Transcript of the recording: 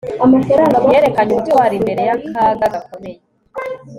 Yerekanye ubutwari imbere yakaga gakomeye